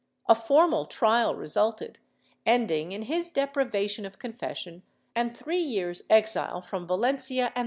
A formal trial resulted, ending in his deprivation of confession and three years' exile from Valencia and the scenes of Bibl.